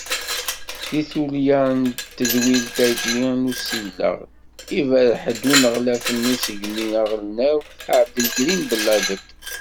Deg tulya n tedwilt-agi n usileɣ, iberreḥ-d uneɣlaf n usegmi aɣelnaw, Ɛabdelḥakim Bellabed.